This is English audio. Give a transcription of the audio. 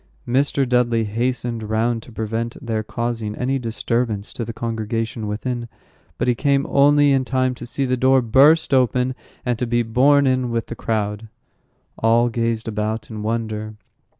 Mr. Dudley hastened round to prevent their causing any disturbance to the congregation within; but he came only in time to see the door burst open, and to be borne in with the crowd. All gazed about in wonder.